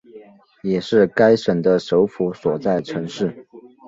也是该省的首府所在城市。